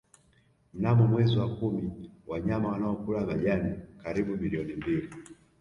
Mnamo mwezi wa kumi wanyama wanaokula majani karibu milioni mbili